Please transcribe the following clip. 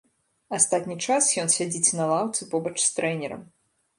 Астатні час ён сядзіць на лаўцы побач з трэнерам.